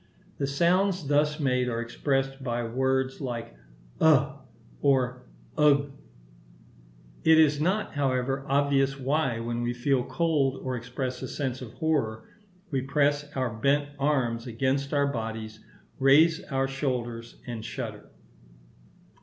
The sounds thus made are expressed by words like uh or ugh. It is not, however, obvious why, when we feel cold or express a sense of horror, we press our bent arms against our bodies, raise our shoulders, and shudder.